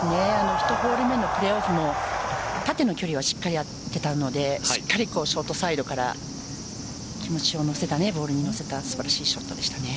１ホール目のプレーオフも縦の距離はしっかりあってたのでしっかりショートサイドから気持ちを乗せた素晴らしいショットでした。